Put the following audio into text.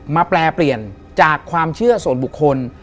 แปลเปลี่ยนจากความเชื่อส่วนบุคคล